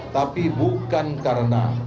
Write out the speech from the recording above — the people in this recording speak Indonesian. tapi bukan karena